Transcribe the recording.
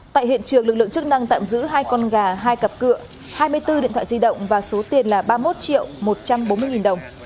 tại hiện trường lực lượng chức năng tạm giữ hai con gà hai cặp cửa hai mươi bốn điện thoại di động và số tiền là ba mươi một triệu một trăm bốn mươi đồng